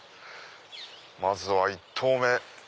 まずは１投目。